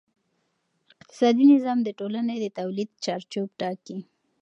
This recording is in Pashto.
اقتصادي نظام د ټولنې د تولید چارچوب ټاکي.